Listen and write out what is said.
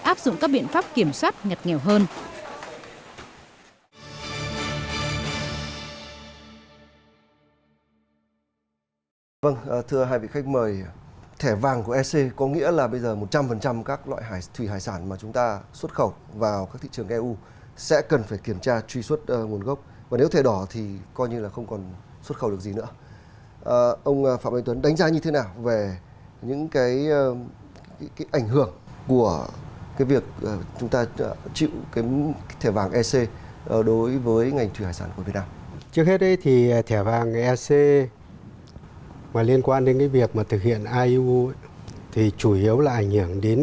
áp dụng các biện pháp kiểm soát nhật nghèo hơn